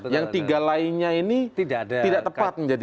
yang tiga lainnya ini tidak tepat menjadi